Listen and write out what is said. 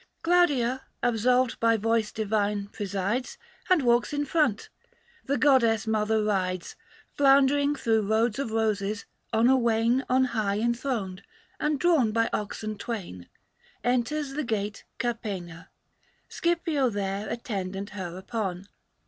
Claudia absolved by voice divine presides, And walks in front ; the goddess mother rides, Floundering through roads of roses, on a wain On high enthroned, and drawn by oxen twain ! Enters the gate Capena ; Scipio there < Attendant her upon.